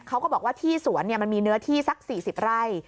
เขาก็บอกว่าที่สวนมันมีเนื้อที่สัก๔๐ไร่